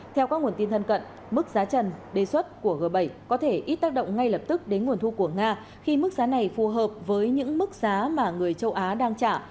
theo các nguồn tin thân cận mức giá trần đề xuất của g bảy có thể ít tác động ngay lập tức đến nguồn thu của nga khi mức giá này phù hợp với những mức giá mà người châu á đang trả